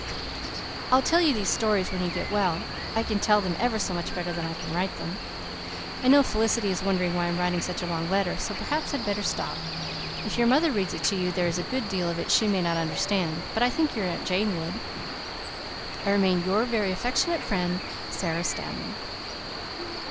"I'll tell you these stories when you get well. I can tell them ever so much better than I can write them. "I know Felicity is wondering why I'm writing such a long letter, so perhaps I'd better stop. If your mother reads it to you there is a good deal of it she may not understand, but I think your Aunt Jane would. "I remain "your very affectionate friend, "SARA STANLEY."